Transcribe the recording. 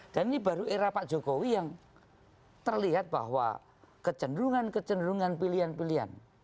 dan ini baru era pak jokowi yang terlihat bahwa kecenderungan kecenderungan pilihan pilihan